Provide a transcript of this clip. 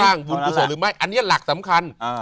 บุญกุศลหรือไม่อันนี้หลักสำคัญ